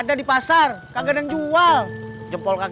kehendaknya sehingga dia menjadikan diriku ungg